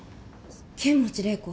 剣持麗子